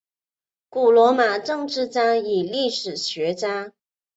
古罗马政治家与历史学家。